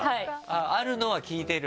あるのは聞いてる？